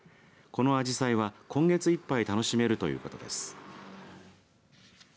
このあじさいは今月いっぱい楽しめるということです。